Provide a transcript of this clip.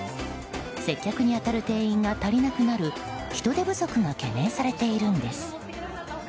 接客に当たる店員が足りなくなる人手不足が懸念されているんです。